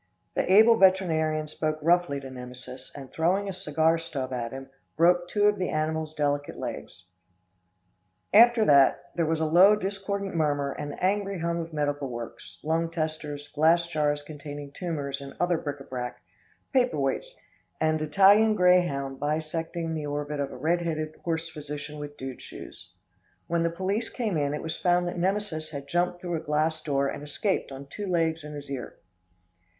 The able veterinarian spoke roughly to Nemesis, and throwing a cigar stub at him, broke two of the animal's delicate legs. [Illustration: BUSTLE AND CONFUSION.] After that there was a low discordant murmur and the angry hum of medical works, lung testers, glass jars containing tumors and other bric a brac, paper weights and Italian grayhound bisecting the orbit of a redheaded horse physician with dude shoes. When the police came in, it was found that Nemesis had jumped through a glass door and escaped on two legs and his ear.